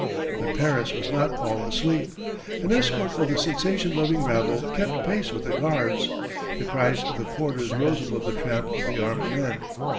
But Paris was not all asleep. An escort of the sensation loving rabble kept pace with the guards. The cries of the quarters rose above the tramp of the armed men.